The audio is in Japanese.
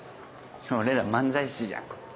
俺ら漫才師じゃん。